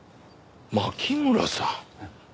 牧村さん？